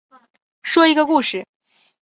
说一个故事